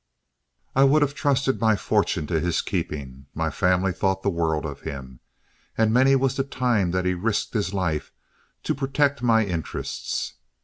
I would have trusted my fortune to his keeping, my family thought the world of him, and many was the time that he risked his life to protect my interests.